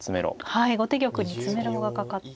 はい後手玉に詰めろがかかって。